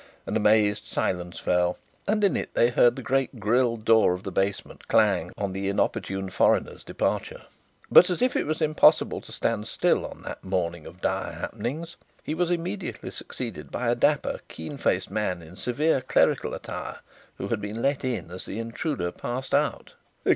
An amazed silence fell, and in it they heard the great grille door of the basement clang on the inopportune foreigner's departure. But, as if it was impossible to stand still on that morning of dire happenings, he was immediately succeeded by a dapper, keen faced man in severe clerical attire who had been let in as the intruder passed out.